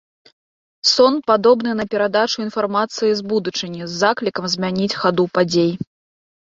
Сон падобны на перадачу інфармацыі з будучыні з заклікам змяніць хаду падзей.